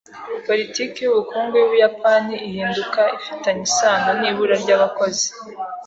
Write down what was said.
Politiki y’ubukungu y’Ubuyapani ihinduka ifitanye isano n’ibura ry’abakozi.